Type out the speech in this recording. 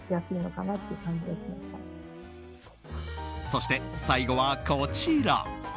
そして、最後はこちら。